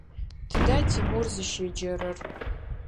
Тыда Тимур зыщеджэрэр?